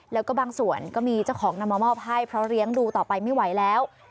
แล้วก็บางส่วนก็มีเจ้าของนำมามอบให้เพราะเลี้ยงดูต่อไปไม่ไหวแล้ว